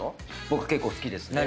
僕結構好きですね。